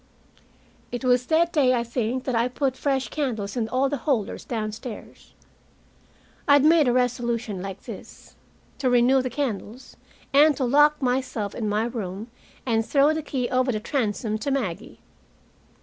It was that day, I think, that I put fresh candles in all the holders downstairs. I had made a resolution like this, to renew the candles, and to lock myself in my room and throw the key over the transom to Maggie.